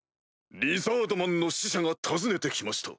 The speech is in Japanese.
リザードマンの使者が訪ねて来ました。